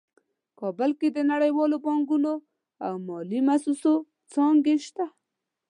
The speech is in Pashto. په کابل کې د نړیوالو بانکونو او مالي مؤسسو څانګې شته